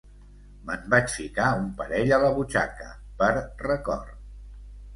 Me'n vaig ficar un parell a la butxaca, per record